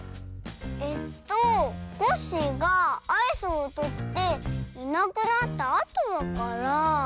えっとコッシーがアイスをとっていなくなったあとだから。